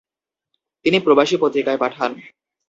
তিনি প্রবাসী পত্রিকায় পাঠান।